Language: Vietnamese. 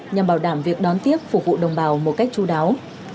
nhằm bảo đảm việc đón tiếp phục vụ đồng bào một cách chú đáo